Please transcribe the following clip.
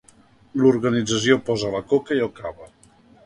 L'organització posa la coca i el cava.